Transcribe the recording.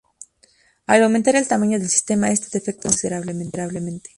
Al aumentar el tamaño del sistema, este defecto se agrava considerablemente.